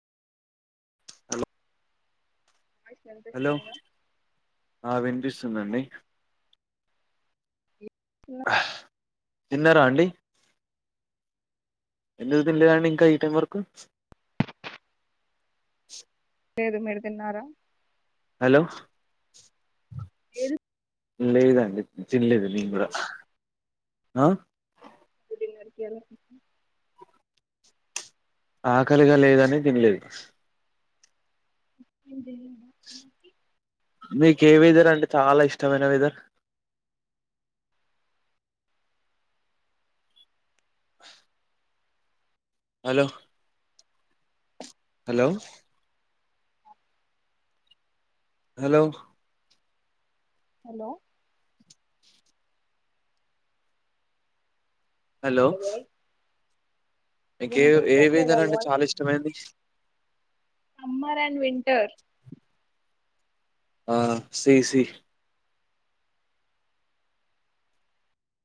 hello voice hello వినిపిస్తుందా విపిస్ వస్తుందండి నా తిన్నారా అండి ఎంత తంటేదం ఇంకా ఈ టైం వరకు ఏదు మేరుదున్నారా హలో లేదు లేదండి తిన్లేదు నేను కూడా ఆ క ఎలా ఆకలిగా లేదని తినలేదు మీక్ ఏ వెదర్ అంటే చాలా ఇష్టమైన weather hello hello hello hello hello మీక ఏ ఏ వినిపించట్లేదా వేదర్ అంటే వాయిస్ చాలా ఇష్టమైంది సమ్మర్ అండ్ వింటర్ ఆ సి సి